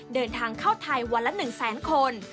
เดินทางเข้าไทยวันละ๑แสนคน